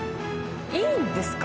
いいんですか？